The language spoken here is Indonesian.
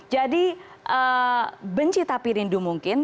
jadi benci tapi rindu mungkin